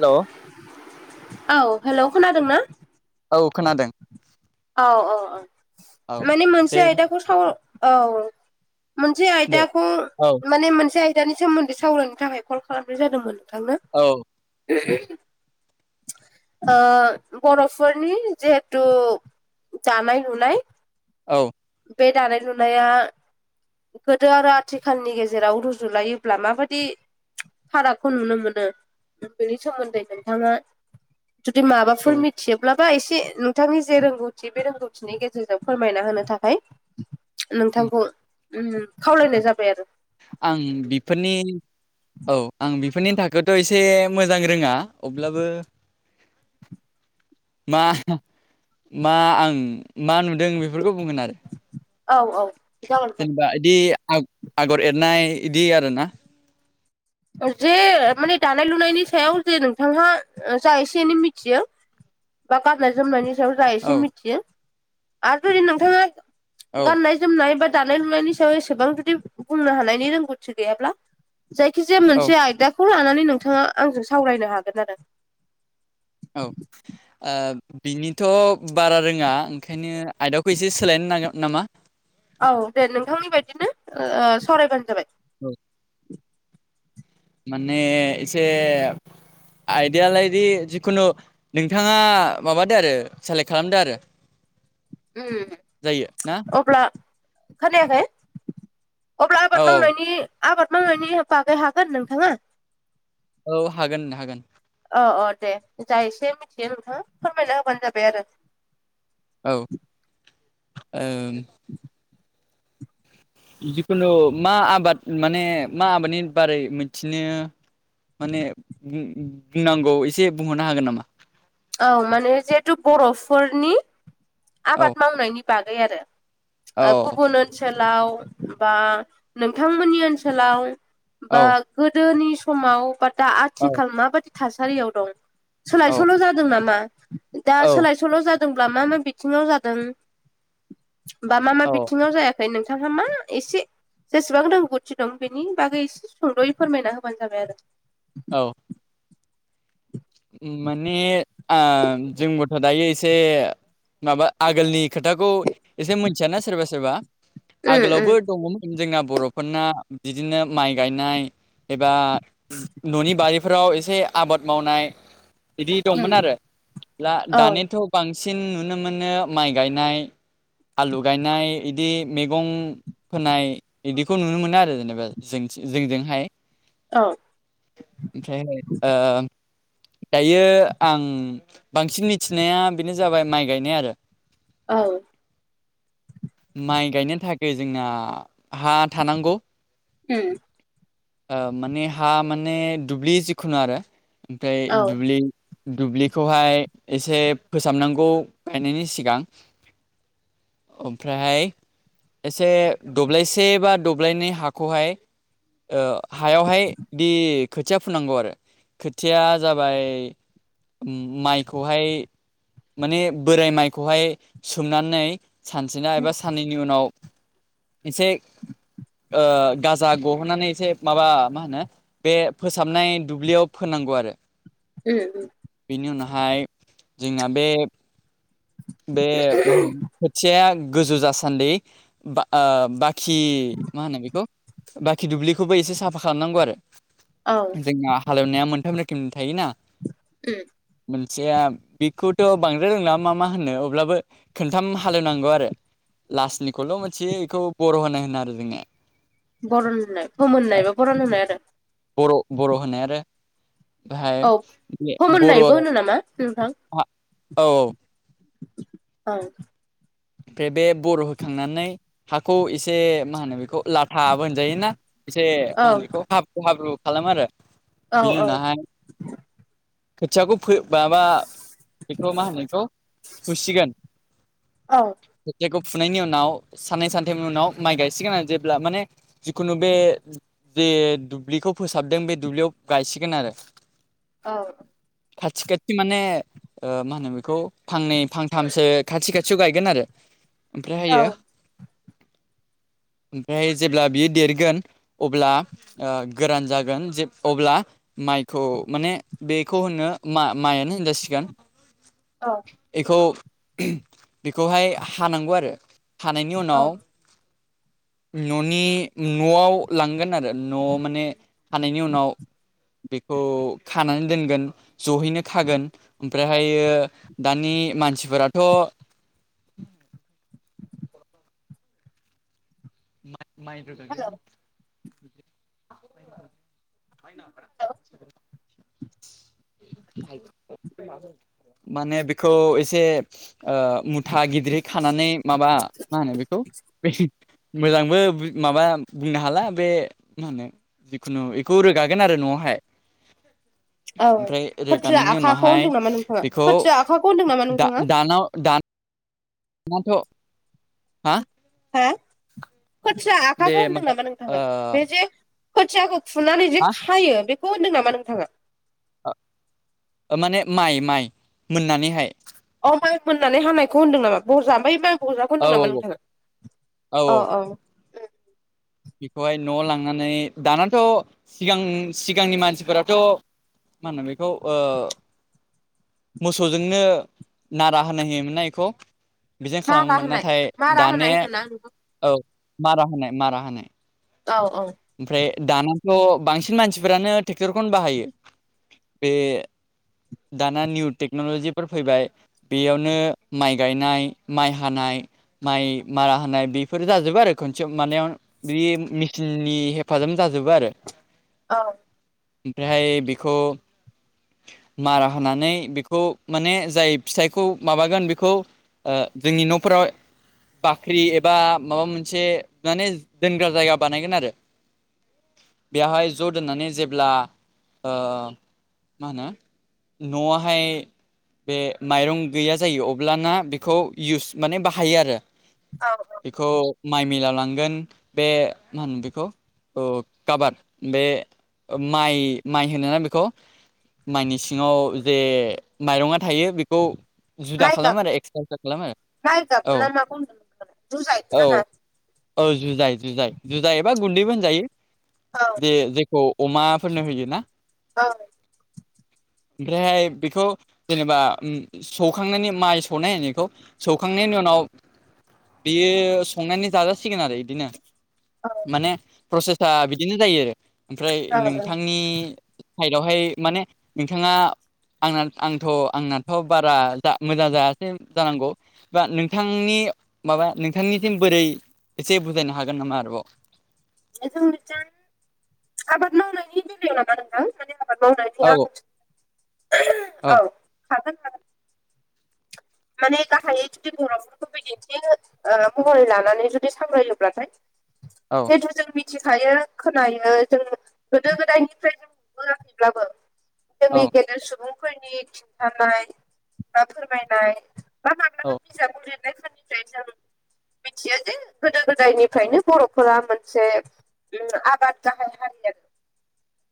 हेल' औ हेलौ खोनादोंना औ खोनादों औ औ औ औ माने मोनसे दे आयदाखौ साव औ मोनसे दे आयदाखौ औ माने मोनसे आयदानि सोमोन्दै सावरायनो थाखाय कल खालामनाय जादोंमोन नोंथांनो औ [unintelligible] बर'फोरनि जिहेथु दानाय लुनाय औ बे दानाय लुनाया गोदो आरो आथिखालनि गेजेराव रुजुलायोब्ला माबादि फारागखौ नुनो मोनो बेनि सोमोन्दै नोंथाङा जुदि माबाफोर थिोबब्लाबा एसे नोंथांनि जे रोंगौथि बे रोंगौथिनि गेजेरजों फोरमायना होनो थाखाय नोंथांखौ खावलायनाय जाबाय आरो आं बेफोरनि औ आं बेफोरनि थाखोथ' एसे मोजां रोङा अब्लाबो मा मा आं मा नुदों बेफोरखौ बुंगोन आरो औ औ जागोन जेनेबा बिदि आगर एरनाय बिदि आरो ना जे माने दानाय लुनायनि सायाव जे नोंथांहा जा एसे एनै मिथियो बा गाननाय जोमनायनि सायाव जा औ एसेन मिथियो आरो जुदि नोंथाङा औ गाननाय जोमनाय बा दानाय लुनायनि सायाव एसेबां जुदि बुंनो हानायनि रोंगौथि गैयाब्ला जखिजाया औ मोनसे आयदाखौ लानानै नोंथाङा आंजों सावरायनो हागोन आरो औ बिनिथ' बारा रोङा ओंखायनो आयदाखौ एसे सोलायनो नांगोन नामा औ दे नोंथांनि बायदिनो सरायबानो जाबाय औ माने एसे आयडयाालायदि जिखुनु नोंथाङा माबादो आरो सेलेक्ट खालामदो आरो जायो ना अपब्ला खानायाखाय अप औ औ आबाद मावनायनि बागै हागोन नोंथाङा औ हागोन हागोन औ औ दे द एसे मिथियो नोंथाङा फोरमायना होबानो जाबाय आरो औ उम जिखुनु मा आबाद माने मा आबादनि बारै मिथिनो माने बुंनांगौ एसे बुंहरनो हागोन नामा औ माने जिहेथु बर'फोरनि औ आबाद मावनायनि बागै आरो औ गुबुन ओनसोलाव बा नोंथांमोननि ओनसोलाव औ बा गोदोनि समाव बा दा आथिखाल माबादि थासारियाव दं औ सोलायसोल' जादों नामा दा औ सोलाय सल' जादोंब्ला मा मा बिथिङाव जादों बा मा मा बिथिङाव जायाखै ओमफ्राय नोंथांहा मा एसे जेसेबां रोंगौथि दं बेनि बागै एसे सुंद'यै फोरमायना होबानो जाबाय आरो औ माने जोंबोथ' दायो एसे माबा आगोलनि खोथाखौ एसे मोनथियाना सोरबा सोरबा आगोलावबो उम दङमोन जोंना बर'फोरना बिदिनो माइ गायनाय एबा न'नि बारिफोराव एसे आबाद मावनाय बिदि उम दंमोन आरो द औ दानिथ' बांसिन नुनो मोनो माइ गायनाय आलु गायनाय बिदि मैगं फोनाय बिदिखौ नुनो मोनो आरो जेनेबा जों जोंजोंहाय औ ओमफ्रायहाय दायो आं बांसिन मिथिनाया बेनो जाबाय माइ गायनाय आरो औ माइ गायनो थाखाय जोंना हा थानांगौ उम माने हा माने दुब्लि जिखुनु आरो ओमफ्राय औ दुब्लि दुब्लिखौहाय एसे फोसाबनांगौ गायनायनि सिगां ओमफ्रायहाय एसे दब्लायसे बा दब्लायनै हाखौहाय हायावहाय दि खोथिया फुनांगौ आरो खोथिया जाबाय माइखौहाय माने बोराय माइखौहाय सोमनानै सानस्रिना उम एबा सा साननैनि उनाव एसे गाजा गहोनानै मोनसे माबा मा होनो बे फोसाबनाय दुब्लियाव फोनांगौ आरो उम बेनि उनावहाय जोंना बे बे मा होनो खोथिया गोजौ जासान्दि ब बाखि मा होनो बेखौ बाखि दुब्लिखौबो एसे साफा खालामनांगौ आरो औ जोंना हालेवनाया मोनथाम रोखोमनि थायोना उम मोनसेया बिगखौथ' बांद्राय रोंला मा मा होननो अब्लाबो खोनथाम हालेवनांगौ आरो लास्निखौल' मोनथियो बेखौ बर' होनाय होनो आरो जोङो बर'ननाय फोमोननाय बा बर'ननाय आरो बर' बर' होनाय आरो बेहाय औ बर' औ फोमोननायबो होनो नामा नोंथां औ औ ओमफ्राय बे बर' होखांनानै हाखौ एसे मा होनो बेखौ लाथ हाबो होनजायोना एसे औ [unintelligible] हाब्रु हाब्रु खालामो आरो औ बिनि उनावहाय खोथियाखौ माबा बेखौ' मा होनो बेखौ फुसिगोन औ खोथियाखौ फुनायनि उनाव साननै सानथामनि उनाव माइ गायसिगोन आरो जेब्ला माने जिखुनु बे जे दुब्लिखौ फोसाबदों बे दुब्लियाव गायसिगोन आरो औ खाथि खाथि ओ माने मा होनो बेखौ फांनै फांथामसो खाथि खाथियाव गाय गोन आरो। ओमफ्रायहायो [inaudible] ओमफ्राय जेब्ला बियो देरगोन अब्ला ओ गोरान जागोन जे अब्ला माइखौ माने बेखौ होनो मा-माइआनो होनजासिगोन। औ। एखौ बेखौहाय हानांगौ आरो। हानायनि औ उनाव न'नि न'आव लांगोन आरो न'आव माने हानायनि उनाव बेखौ खानानै दोनगोन जहैनो खागोन ओमफ्रायहायो दानि मानसिफोराथ' न माइ माइ हेलौ रोगाग्रायाव [inaudible] माने बेखौ एसे ओ मुथा गिदिरै खानानै माबा मा होनो बेखौ [unintelligible] मोजांबो माबा बुंनो हाला बे मा होनो जिखुनु बेखौ रोगागोन आरो न'आवहाय। औ। ओमफ्राय खोथिया रोगानायनि आखाखौ उनावहाय होनदों नामा नोंथाङा? बेखौ खोथिया आखाखौ होन्दों नामा नोंथाङा? दानाव दा नाथ' हो खोथिया बे आखाखौ होनदों माबा नामा ओ नोंथाङा? बे जे खोथियाखौ खुनानै जे खायो बेखौ होनदों नामा नोंथाङा? ओ ओ माने माइ माइ मोननानैहाय। अ माइ मोननानै हानायखौ होनदों नामा बजा बै माइ फजाखौ औ दं औ नामा नोंथाङा? औ अ औ ओं। बेखौहाय न'आव लांनानै दानाथ' सिगां सिगांनि मानसिफोराथ' मा होनो बेखौ ओ मोसौजोंनो नारा होनो होयोमोन ना एखौ। बिदिनो मारा खालामोमोन होनाय नाथाय मारा होनाय दाने होनोना नोंखौ औ मारा होनाय मारा होनाय। औ औ। ओमफ्राय दानथ' बांसिन मानसिफोरानो ट्रेक्टरखौनो बाहायो। बे दाना निउ टेक्न'लजिफोर फैबाय। बेयावनो माइ गायनाय माइ हानाय माइ मारा होनाय बेफोर जाजोबो आरो खोनसेआव मानायाव बेदि मिचिन नि हेफाजाब जाजोबो आरो। औ। ओमफ्रायहाय बेखौ मारा होनानानै बेखौ माने जाय फिथाइखौ माबागोन बेखौ ओ जोंनि न'फोराव बाख्रि एबा माबा मोनसे माने दोनग्रा जायगा बानायगोन आरो। बेवहाय ज' दोननानै जेब्ला ओ मा होनो न'आवहाय बे माइरं गैया जायो अब्लाना बेखौ इउस माने बाहायो आरो। औ औ। बेखौ माइ मिलाव लांगोन बे मा होनो बेखौ औ काबाद बे माइ माइ होनोना बेखौ। माइनि सिङाव जे माइरङा थायो बेखौ जुदा माइ गाब खालामो आरो एक्सत्रा एक्सत्रा खालामो माइ आरो गाबना माखौ होनदों नोंथाङालाय जुजाइखौ औ ना औ। माखौ औ जुजाय जुजाय जुजाय एबा गुन्दैबो होनजायो औ बे जेखौ अमाफोरनो होयो ना? [inaudible] ओमफ्रायहाय बेखौ जेनेबा सौखांनायनि माइ सौनायहोनायखौ सौखांनायनि उनाव बियो संनानै जाजासिगोन आरो बिदिनो औ माने प्रसेसा बिदिनो जायो आरो ओमफ्राय औ नोंथांनि साइदावहाय माने नोंथाङा आंना आंथ' आंनाथ' बारा मोजां जायासै जानांगौ बा नोंथांनि माबा नोंथांनिसिम बोरै एसे बुजायनो हागोन नामा आरोबाव? [inaudible] जोंनिथि आबाद मावनायनि बेलायाव नामा नोंथां माने आबाद औ मावनाय [unintelligible] औ हागोन हागोन माने गाहायै जुदि जों बर'फोरखौ बिदिन्थि ओ महरै लानानै जुदि सावरायोब्लाथाय औ जिहेथु जों मि मिथिखायो खोनायो जों गोदो गोदायनिफ्राय जों नुबोआखैब्लाबो जोंनि औ गेदेर सुबुंफोरनि खिन्थानाय बा फोरमायनाय बा माब्ला औ बिजाबाव लिरनायफोरनिफ्राय जों मिथियो जे गोदो गोदायनिफ्रायनो बर'फोरा मोनसे उम आबाद गाहाय हारि आरो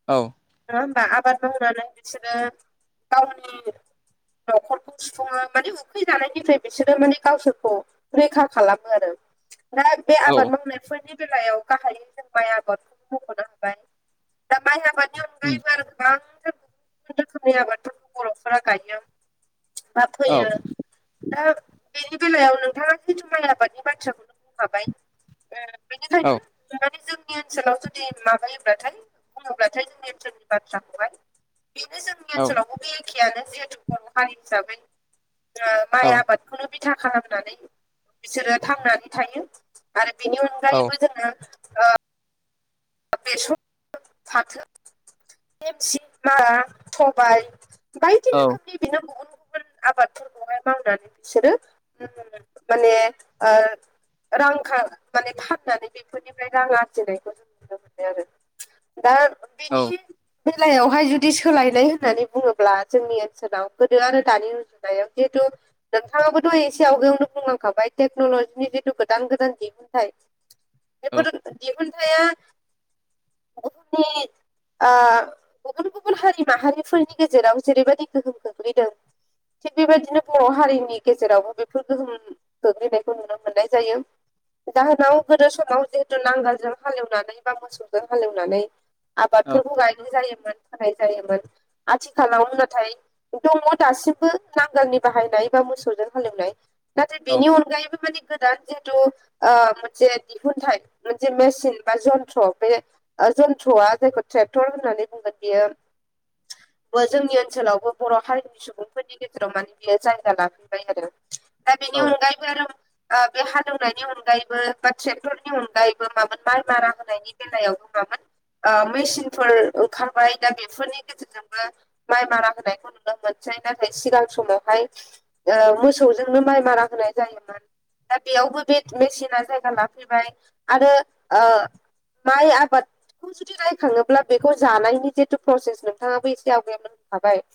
औ नङा होमबा आबाद मावनानै बिसोरो गावनि न'खर सुफुङो माने उखै जानायनिफ्राय बिसोरो माने गावसोरखौ रैखा खालामो आरो दा बे औ आबाद मावनायफोरनि बेलायाव गाहायै जों माइ आबादखौनो मख'नो हाबाय दा माइ आबादनि उम अनगायैबो आरो गोबांथार रोखोमनि आबादफोरखौ बर'फोरा गायो बा औ फोयो दा बेनि बेलायाव नोंथाङा जिथु माइ आबादनि बाथ्राखौनो बुंखाबाय उम बेनिखायनो औ माने जोंनि ओनसोलाव जुदि माबायोब्लाथाय बुङोब्लाथाय जोंनि ओनसोलनि बाथ्राखौहाय बेनो जोंनि औ ओनसोलावबो बे एखेयानो जिहेथु बर' हारि हिसाबै जोङो माइ औ आबादखौनो बिथा खालामनानै बिसोरो थांनानै थायो आरो बेनि औ अनगायैबो जोङो बेसर फाथो देमसि मारा सबाइ ओमफ्राय औ बि बेना गुबुन गुबुन आबादफोरखौहाय मावनानै बिसोरो माने ओ रां खा माने फाननानै बेफोरनिफ्राय रां आरजिनायखौ नुयो आरो दा औ बिनि बेलायावहाय जुदि सोलायनाय होननानै बुङोब्ला जोंनि ओनसोलाव गोदो आरो दानि रुजुनायाव जिहेथु नोंथाङाबोथ' एसे आवगायावनो बुंलांखाबाय टेक्न'लजिनि जिथु गोदान गोदान दिहुनथाइ औ बेफोर दिहुनथाया [unintelligible] ओ गुबुन गुबुन हारि माहारिफोरनि गेजेराव जेरैबायदि गोहोम खोख्लैदों थिग बेबायदिनो बर' हारिनि गेजेरावबो बेफोर गोहोम गोग्लैनायखौ नुनो मोननाय जायो जाहोनाव गोदो समाव जिहेतु नांगोलजों हालेवनानै बा मोसौजों हालेवनानै औ आबादफोरखौ गायनाय जायोमोन खानाय जायोमोन आथिखालाव नाथाय दङ दासिमबो नांगालनि बाहायनाय बा मोसौजों हालेवनाय नाथाय बिनि अनगायैबो माने गोदान जिहेथु ओ मोनसे दिहुनथाय मोनसे मेचिन बा जन जन्थ्र बे जन्थ्रआ जायखौ ट्रेक्टर होननानै बुंगोन बियो जोंनि ओनसोलावबो बर' हारिनि सुबुंफोरनि गेजेराव माने बियो जायगा लाफैबाय आरो दा बेनि औ अनगायै बे हालेवनायनि अनगायैबो बा ट्रेक्टरनि अनगायैबो मोन माइ मारा ोन मेसिनफोर ओंखारबाय दा बेफोरनि गेजेर ोंबो माइ मारा होनायखौ नुनो मोनसै नाथाय सिगां समावहाय मोसौजोंनो माइ मारा होनाय जायोमोन दा बेयावबो बे मेसिना जायगा लाफैबाय आरो माइ आबाद बेखौ जुदि रायखाङोब्ला बेखौ जानायनि जिथु प्रसेस नोंथाङाबो एसे आवगायाबनो होनखाबाय।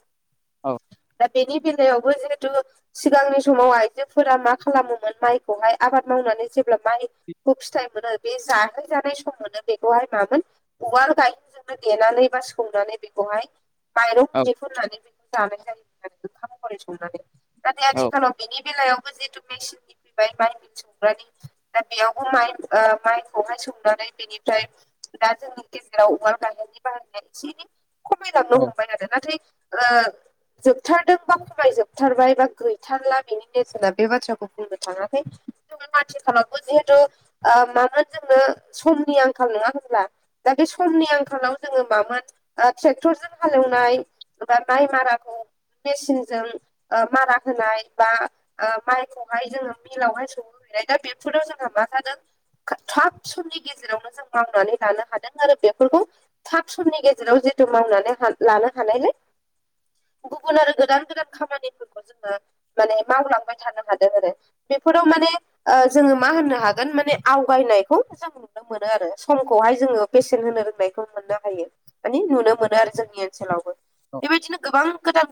दा बेनि फ अबथु सिगांनि समाव आइजोफोरा मा खालामोमोन माइखौहाय आबाद मावनानै जेब्ला माइ खौ फिथाइ मोनो बे जाहैजानाय समाव मोनो बेखौहाय मामोन उवाल गायजोंनो देनानै बा सोंनानै बेखौहाय माइरं गुदे औ फनानै बेखौ जानाय जायोमोन आरो ओंखामरै संनानै नाथाय आथिखालाव बेनि बेलायावबो जिहेतु मेसिननि फैबाय बाइम संग्रानि दा बेयावबो माइ माइखौहाय संनानै बेनिफ्राय दा जोंनि गेजेराव अमाल गायनि बाहाया एसे एनै खमायदांनो' औ हमबाय आरो नाथाय ओ जोबथारदों बा फमाय जोबथारबाय बा गैथारला बेनि नोजोरा बे बाथ्राखौ बुंनो थाङाखै। जो मथि खालामखौ जिहेथु मानोोन जोंनो समनि आंखाल नङा होनब्ला दा बे समनि आंखालाव जोङो मामोन ट्रेक्टरजों हालेवनाय बबा माइ माराखौ मेसिनजों मारा होनाय बा माइखौहाय जोङो मिलावहाय सौ नाय दा बेफोराव जोंहा माादों थाब समनि गेजेरावनो जों मावनानै लानो हादों आरो बेफोरखौ थाब समनि गेजेराव जितु मावनानै लानो हानायलाय गुबुन आरो गोदान गोदान खामानिफोरखौ जोङो माने मावलांबाय थानो हादों आरो। बेफोराव माने जोङो मा होननो हागोन माने आवगायनायखौ जों नो मोनो आरो समखौहाय जोङो पेसेन्ट होनो रोंनायखौ मोननो हायो। मानिे नुनो मोनो आरो जोंनि ओनसोलावबो औ बेबायदिनो गोबां गोदान